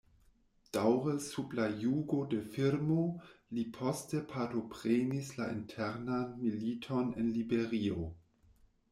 Daŭre sub la jugo de Firmo, li poste partoprenis la internan militon en Liberio.